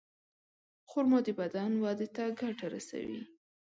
خرما د بدن وده ته ګټه رسوي.